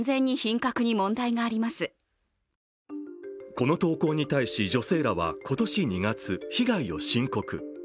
この投稿に対し、女性らは今年２月、被害を申告。